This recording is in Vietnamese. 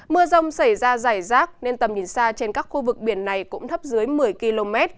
mưa rông xảy ra dài rác nên tầm nhìn xa trên các khu vực biển này cũng thấp dưới một mươi km